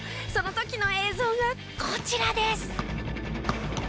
その時の映像がこちらです。